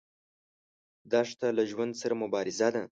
دښته له ژوند سره مبارزه ده.